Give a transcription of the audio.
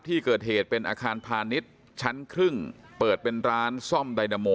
ที่เกิดเหตุเป็นอาคารพาณิชย์ชั้นครึ่งเปิดเป็นร้านซ่อมไดนาโม